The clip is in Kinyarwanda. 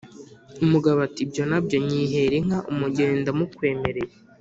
Umugabo ati: "Ibyo na byo! Nyihera inka, umugeni ndamukwemereye.